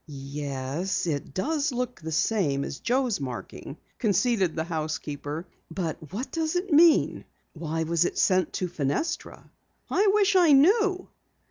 "Yes, it does look the same as Joe's marking," conceded the housekeeper. "But what does it mean? Why was it sent to Fenestra?" "I wish I knew."